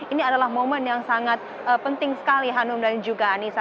ini adalah momen yang sangat penting sekali hanum dan juga anissa